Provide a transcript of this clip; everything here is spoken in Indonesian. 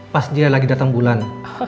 pas dia lagi datang bulan